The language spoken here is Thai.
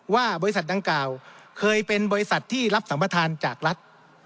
ว่าบริษัทดังกล่าวเคยเป็นบริษัทที่รับสัมประธานจากรัฐ